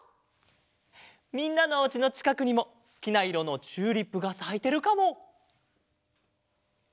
みんなのおうちのちかくにもすきないろのチューリップがさいてるかも！